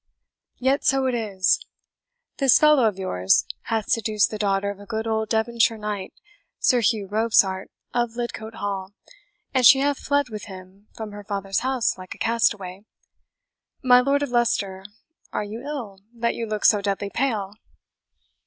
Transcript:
Yet so it is; this fellow of yours hath seduced the daughter of a good old Devonshire knight, Sir Hugh Robsart of Lidcote Hall, and she hath fled with him from her father's house like a castaway. My Lord of Leicester, are you ill, that you look so deadly pale?"